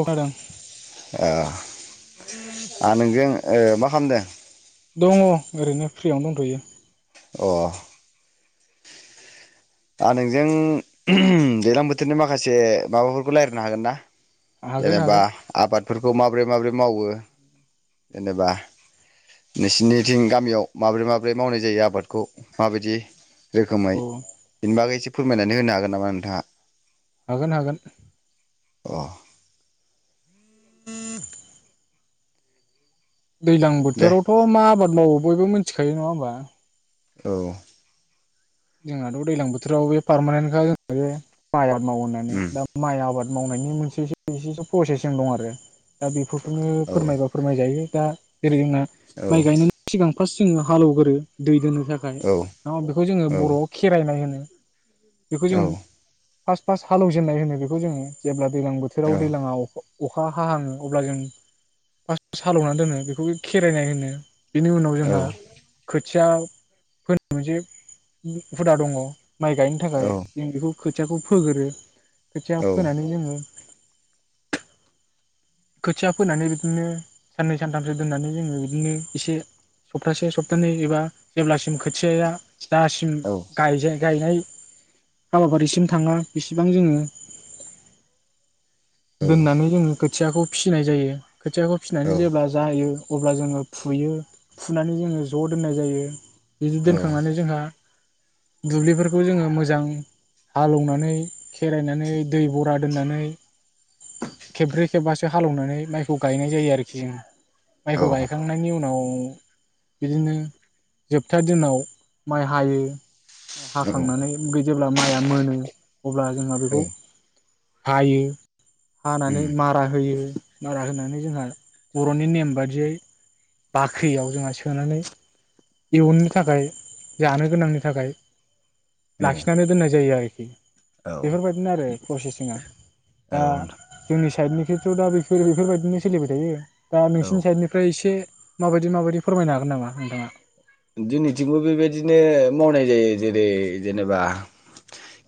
औ खोनादों आं नोंजों ओ मा खामदों? दङ ओरैनो फ्रियावनो दंथयो। अ दा नोंजों दैज्लां बोथोरनि माखासे माबाफोरखौ रायज्लायनो हागोन ना? हागोन जेनेबा हागोन आबादफोरखौ मा बोरै माबोरै मावो जेनेबा नोंसोरनिथिं गामियाव माबोरै माबोरै मावनाय जायो आबादखौ माबायदि रोखोमै औ बिनि बागैसो फोरमायनानै होनो हागोन नामा नोंथाङा? हागोन हागोन अ [inaudible] दैज्लां दे बोथोरावथ' मा आबाद मावो बयबो मिथिखायो नङा होमबा औ जोंहाथ' दैज्लां बोथोराव बे पारमानेन्टखा जों बे मायआव मावो होननानै उम दा माइ आबाद मावनायनि मोनसे ए प्रसेस जों दं आरो दा बे बेखौनो औ फोरमायबा फोरमायजायो दा ओरै होनना औ माइ गायनायनि सिगां फार्स्ट जोङो हालेवग्रो दै दोनो थाखाय औ बेखौ जोंङो गायनायालाय बेखौ औ जों फार्स्ट फास्ट हालेजेननाय होनो बेखौ जोङो जेब्ला दैज्लां बोथोराव दैलाङा अखा हाहाङो अब्ला जों फार्स्ट हालौवनानै दोनो बेखौ खेरायनाय होनो। बिनि उनाव औ जोंहा खोथिया फोनो जे हुदा दङ माइ गाइ नो थाखाय जों बेखौ खोथियाखौ फोगोरो खोथिया औ फोनानै जोङो खोथिया फोनानै बिदिनो साननै सानथामसो दोननानै जोङो बिदिनो एसे सप्तासे सप्तानै एबा जेब्लासिम खोथियाया दासिम गायजाय गायनाय हाबाफारिसिम थाङा बेसिबां जोङो दोननानै जोङो खो फिसिनाय जायो। खोथियाखौ औ फिसिनानै जेब्ला जायो अब्ला जोङो फुयो फुनानै जोङो ज' दोननाय जायो। बिदि दोनखांनानै जोंहा दुब्लिफोरखौ जोङो मोजां हालौवनानै खेरायनानै दै बरा नानै खेबब्रै खेबबासो हालेवनानै माइखौ गायनाय जायो आरोखि जों। माइखौ गायखांनायनि उनाव बिदिनो जोबथा दिनाव माइ हायो माइ हाखांनानै जेब्ला माइआ मोनो अब्ला जोंहा औ बेखौ हायो। हानानै उम मार रा होयो मारा होनानै जोंहा बर'नि नेम बादियै बाख्रियाव जोंहा सोनानै इयुननि थाखाय जानो गोनांनि थाखाय औ लाखिनानोय दोन्नाय जायो ओरो खि। औ बेफोर बायदिनो आरो प्रसेसिंआ। दा औ जोंनि साइदनि खेथ' दा बेफो बेफोर बायदिनो सोलिबाय थायो। दा औ नोंसिनि साइडनिफ्राय एसे माबायदि माबायदि फोरमायनो हागोन नामा नोंथाङा? जोंनिथिंबो बेबायदिनो मावनाय जायो जेरै जेनेबा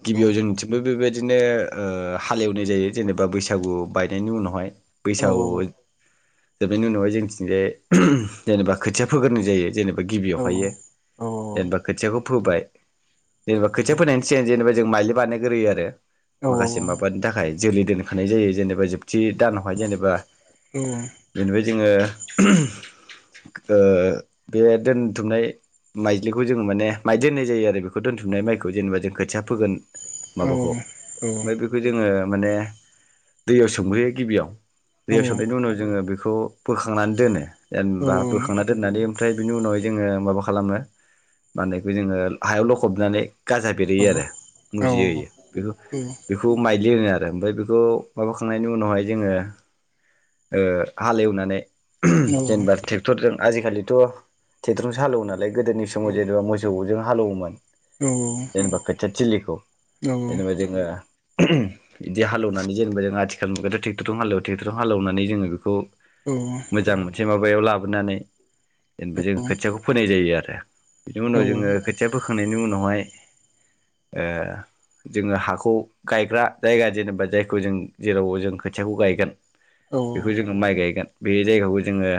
गिबियाव जोंनिथिंबो बेबाय बिदिनो ओ हालेवनाय जायो जेनेबा बैसागु बायनायनि उनावहाय औ बैसागु दा बेनि उनावहाय जोंथिंजाय जेनेबा खोथिया फोग्रोनाय जायो जेने औ गिबियावहायो औ जेनेबा खोथियाखौ फोबाइ जेनेबा खोथिया फोनायनि सिगां जेनेबा जों माइलि बानायग्रोयो आरो। औ माखासे माबानि थाखाय जोलै दोनखानाय जायो जेनेबा जोब थि दानावहाय जेनेबा [unintelligible] जोङो ओ बे दोनथुमनाय माइज्लिखौ जोङो माने माइ दोननाय जायो आरो बेखौ दोनथुमनाय माइखौ जेनेबा जों खोथिया फोगोन माबाखौ ओमफ्राय बेखौ जोङो माने दैयाव सोमग्रोयो गिबियाव दैवसोबनायनि उनाव जोङो बे खौ बोखांनानै दोनो। जेनेबा बोखांना दोननानै ओमफ्राय बिनि उनावहाय जोङो माबा खालामो माने बे खौ जोङो हायाव लखबनानै गाजा बेरहोयो आरो मुजिहोयो बेखौ बेखौ माइ [unintelligible] ओमफ्राय बेखौ माबा खांना इनि उनावहाय जोङो ओ हाल एवनानै जेनेबा ट्रेक्टरजों आजिखालि थ ट्रेक्टरजोंसो हालएवोनालाय गोदोनि समाव जेनेबा मोसौ जों हाल एवोमोन। जेनेबा खोथिया थिलि [unintelligible] जेनेबा जोंङो बिदि हालौनानै जेनेबा जों आथिखाल मुगायाथ' ट्रेक्टरजों हालएवो ट्रेक्टरजों हालौनानै जोङो बेखौ मोजां मोनसे मा बायाव लाबोनानै जेनेबा जों खोथियाखौ फोनाय जायो आरो दे बिनि उनाव जोङो खोथिया फोखांनायनि उनाव बेवहाय ओ जोङो हाखौ गायग्रा जायगा जेनेबा जायखौ जों जेराव जों खोथियाखौ गायगोन बेखौ जोङो माइ गायगोन बे जायगाखौ जोङो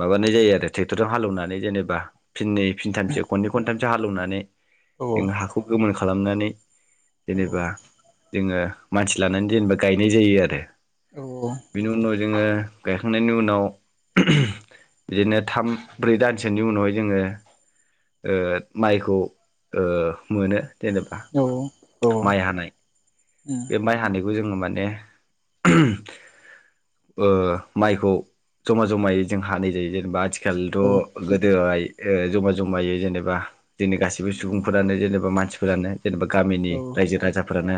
माबानाय जायो आरो ट्रेक्टरजों हालएवनानै जेनेबा फिनै फिनथामसो खनै खनथाम जाहालएवनानै जोङो हाखौ गोमोन खालामनानै जेनेबा जोङो मानसि लानानै जेनेबा गायनाय जायो आरो बिनि उनाव जोङो गायखांनायनि उनाव बिदिनो थाम ब्रै दानसोनि उनावहाय जोङो ओ माइखौ ओ मोनो जेनेबा माइ हानाय बे माइ हानाय बो जोङो माने ओ माइखौ जमा जमायै जों हानाय जायो जेनेबा आथि खालथ गोदोओहाय ओ जमा जमायै जेनेबा दिनै गासिबो सुबुंफोरानो जेनेबा मानसि फोरानो जेनेबा गामिनि रायजो राजाफोरानो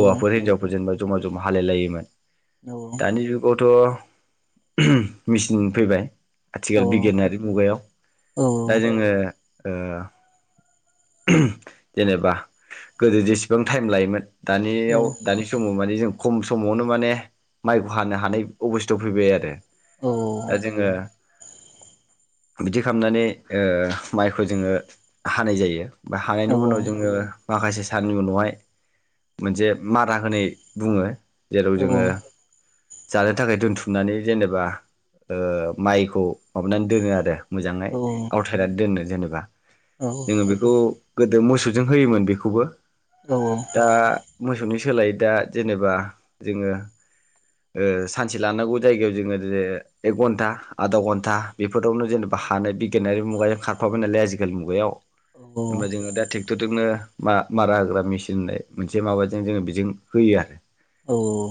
औ हिनजावफोर जेनेबा जमा जमा हालायलायोमोन औ दानि जुगावथ [inaudible] मिसिन फैबाय आथिखाल हागोन बिगियानारि मुगायाव दा हागोन जोङो ओ जेनेबा गोदो जेसेबां टाइम लायोमोन दानियाव दानि समाव माने जों खम समावनो माने माइखौ हानो हानाय अबस्थायाव फैबाय आरो दा जोङो बिदि खामनानै ओ माइखौ जोङो हानाय जायो बा हायानि उनाव जोङो माखासे सारनि उनावहाय मोनसे मादा होनाय बुङो जेराव जोङो जानो थाखाय दोनथुमनानै जेनेबा ओ माइखौ माबानानै दोनो आरो मोजाङै आवथायनानै दोननो जेनेबा बा जोङो बेखौ गोदो मोसौजों होयोमोन बेखौबो दा मोसौनि सोलाय दा जेनेबा जोङो ओ सानसे लानांगौ जायगायाव जोङो दिनैओ एक घन्टा आदा घन्टा बेफोरावनो जेनेबा हानाय बिगियारि मुगायाव खारफाबाय नालाय आजिखालि खालि मुगायाव। ओंबा जोङो दा ट्रेक्टरजोंनो मा-मारा होग्रा मेसिन होननाय मोनसे माबाजों जोङो बेजों होयो आरो।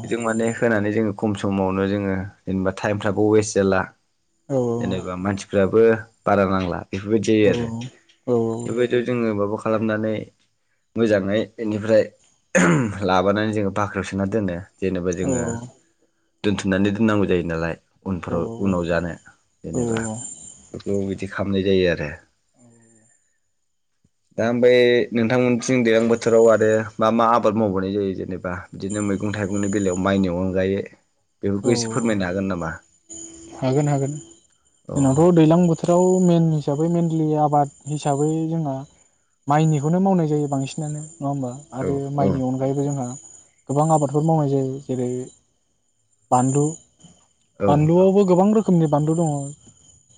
बेजों माने होनानै जोङो। खम समावनो जोङो जेनेबा टाइमफ्रा बो वेस्ट जाला। जेनेबा मानसिफ्रा बो बारा नांला। बेफोरबायदि जायो आरो बेफोरबायदियाव जोङो माबा खालामनानै मोजाङै बेनिफ्राय लाबोनानै जोङो बाख्रिआव सोनानै दोनो। जेनेबा जोङो दोनथुमनानै दोननांगौ जायो नालाय। उनफोराव उनाव जानो जेनेबा [unintelligible] बिदि खालामनाय जायो आरो। दा ओमफाय नोंथांमोनथिं दैलां बोथोराव आरो मा मा आबाद मावबावनाय जायो जेनेबा बिदिनो मैगं थाइगंनि बेलायाव माइनि अनगायै बेफोरखौ एसे फोरमायनो हागोन नामा। हागोन हागोन अ जोंनावथ' दैलां बोथोराव मेन हिसाबै मेनलि आबाद हिसाबै जोंहा माइनिखौनो मावनाय जायो बांसिनानो। नङा होमबा औ आरो औ माइनि अनगायैबो जोंहा गोबां आबादफोर मावनाय जायो जेरै बानलु। औ बानलुआवबो गोबां रो खोमनि बानलु दङ।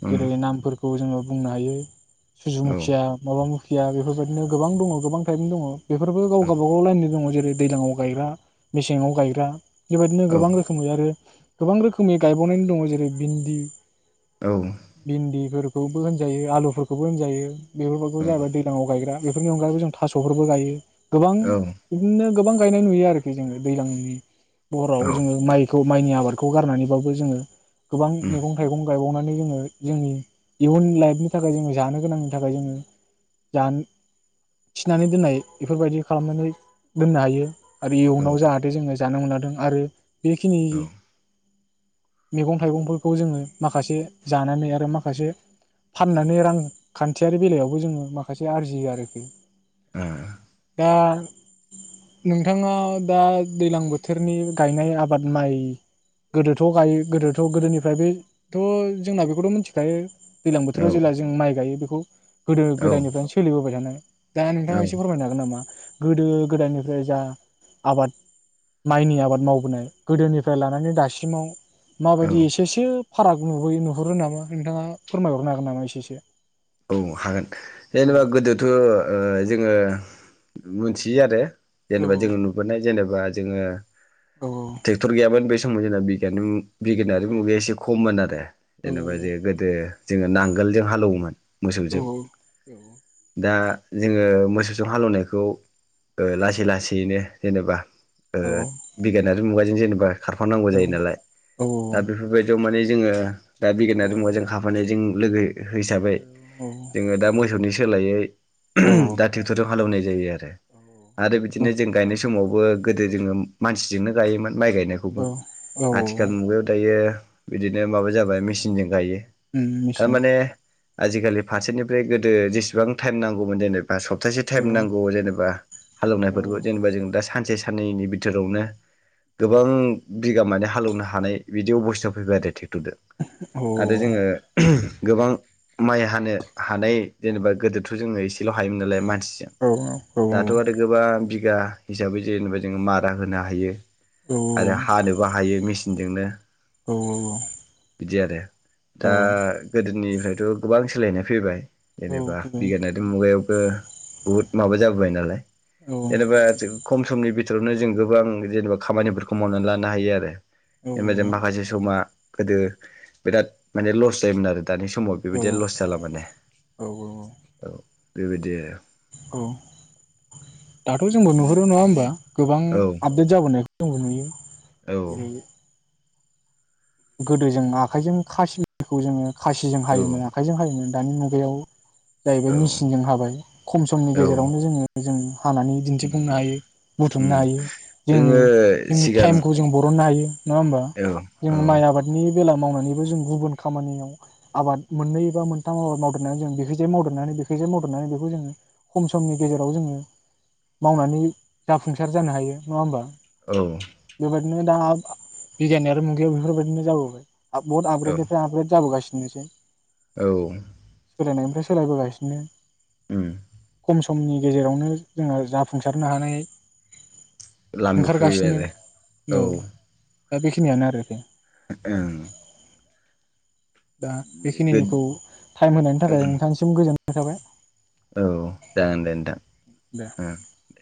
उम जेरै नामफोर खौ जोङो बुंनो हायो। औ सुजुमुखिया माबा मुखि खिया बेफोरबायदिनो गोबां दङ गोबां थाइफनि दङ। बेफोरबो गाव औ गाबागाव लाइननि दङ जेरै दैलाङाव गायग्रा मेसेङाव गायग्रा। बेबायदिनो औ गोबां रो गोबां रोखोमनि गायबावनानै दङ जेरै भिन्दि भिन्दिफोर। खौबो होनजायो आलुफोरखौबो होनजायो। बेफोरखौ जाहैबाय औ दैलाङाव गायग्रा। बेफोरनि अनगायैबो जों थास'फोरबो गायो। गोबां औ बिदिनो गोबां गायनाय नुयो आरोखि जोङो दैज्लांनि हराव औ जोङो माइखौ माइनि आबादखौ गारनानैबाबो जोङो गोबां उम मैगं थाइगं गायबावना जोङो जोंनि इयुन लाइफनि थाखाय जोङो जानो गोनांनि थाखाय जोङो जानो थिनानै दोननाय बेफोरबायदि खालामनानै दोननो हायो। आरो औ इयुनाव जाहाथे जोङो जानो मोनादों आरो बेखिनि औ मैगं थाइगंफोरखौ जोङो माखासे जानानै आरो माखासे फाननानै रांखान्थियारि बेलायावबो जोङो माखासे आरजियो आरोखि। ओ दा नोंथाङा दा दैज्लां बोथोरनि गायनाय आब बाद माइ गोदोथ' गायो गोदोथ' गोदोनिफ्राय बेथ' जोंना बेखौथ' मिथिखायो। दैलां औ बोथोराव जेब्ला जों माइ गायो बे गु गोदो औ गोदायनिफ्रायनो सोलिबोबाय थानाय दा औ नोंथाङा एसे फोरमायनो हागोन नामा? गोदो गोदायनिफ्राय जा आबाद माइनि आबाद मावबोनाय गोदोनिफ्राय लानानै दासिमाव माबायदि एसेसो फाराग नुबोयो नुहरो नामा नोंथाङा फोरमायहरनो हागोन नामा एसेसो? औ हागोन औ जेनेबा गोदोथ' ओ जोङो मोथियो आरो औ जेनेबा जों नुबोनाय जेनेब बा जोङो औ औ टेक्टर गोयामोन बे [unintelligible] जोंना बिगियाननि उम बिगियानारि मुगाया एसे खममोन आरो। जेनेबा जे गोदो जोङो नांगोलजों हालौवोमोन। मोसौजों दा जोङो मोसौजों हालौवनायखौ ओ लासै लासैनो जेनेबा ओ बिगियानारि मुगा दिनो जेनेबा खारफानांगौ जायो नालाय दा बेफोरबायदियाव माने जोङो दा बिगिरनारि मुगाजों खारफानाय जों लोगो हिसाबै जोङो दा मोसौ नि सोलायै दा ट्रेक्टरजों हालेवनाय जायो आरो आरो बिदिनो जों गायनाय समाव बो गोदो जोङो मानसिजोंनो गायोमोन। माइ गायनायखौबो आथिखाल मुगायाव दायो बिदिनो माबा जाबाय मेचिनजों गायो। ओम ओम मिसिन थारमाने आजिखालि फारसेनिफ्राय गोदो जेसेबां टाइम नांगौमोन जेननो ओ सप्तासे टाइम नांगौ जेनेबा हालवनायफोरखौ जेनेबा जों दा सानसे साननैनि बिथोरावनो गोबां बिगा माने हालेवनो हानाय बिदि अबस्थाया फैबाय आरो थिग बुथुदों आरो जोङो गोबां माइ हानो हानाय जेनेबा गोदोथ' जोङो एसेल' हायोमोन नालाय मानसि दाथ' आरो गोबां बि बिगा हिसाबै जेनेबा जोङो मारा होनो हायो। आरो हानोबो हायो मिसिन जोंना औ औ औ बिदि आरोे दा गोदोनिफ्राय गोबां सोलायनाय फैबाय जेनेबा बिगा [unintelligible] मुगायाव ओ बुहुत माबा जाबोबाय नालाय जेनेबा खम समनि बि [unintelligible] जों गोबां जेनेबा खामानिफोरखौ मावनानै लानो हायो आरो ओमबा जों माखासे समा गोदो बिराद माने लस जायोमोन आरो दानि समाव बेबादिया लस जाला माने औ बेबायदि आरो औ। दाथ' जोंबो नुहरो नङा होमबा? गोबां औ आपडेट जाबोनायखौ जोंबो नुयो औ जेरै गोदो जों आखाइजों खासिलिखौ जोङो खासिजों औ हायोमोन आखाइजों हायोमोन दानि मुगायाव जाहैबाय औ मेसिनजों हाबाय खम समनि औ गेजेरावनो जोङो जों हानानै दिन्थिफुंनो उम हायो उम बुथुमनो हायो जोंनि जोङो जोंनि सिगां टाइमखौ जों बरननो हायो नङा होनबा? औ औ जों माइ आबादनि बेला मावनानैबो जों गुबुन खामानियाव आबाद मोननै एबा मोनथाम आबाद मावदेरनानै जों बेखायजाय मावदेरनानै बेखायजाय मावदेरनानै बेखौ जोङो खम समनि गेजेराव जोङो मावनानै जाफुंसार जानो हायो नङा होमबा? बेबायदिनो दा बिगियानआरि मु याव बेफोरबायदिनो जाबोबाय। आप बहुत औ आपग्रेडेतनिफ्राय आपडेत जाबोगासिनो। थनोसै। औ। सोलायनायनिफ्राय सोलायबोगासिनो। उम। खम समनि गेजेरावनो जोङो जाफुंसारनो हानाय लामायाव फैबाय ओंखारगासिनो। आरो औ। दा बेखिनियानो आरो। [inaudible] ओं। दा बे बेखिनिखौ टाइम होनायनि थाखाय नोंथांनिसिम गोजोन नाय थाबाय। औ जागोन दे नोंथां। दे ओं दे।